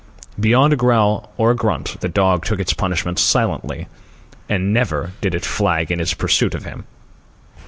Beyond a growl or a grunt, the dog took its punishment silently. And never did it flag in its pursuit of him.